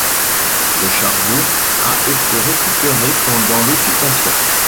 Le charbon a été récupéré pendant l'Occupation.